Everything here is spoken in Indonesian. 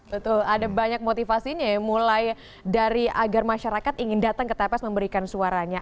betul ada banyak motivasinya ya mulai dari agar masyarakat ingin datang ke tps memberikan suaranya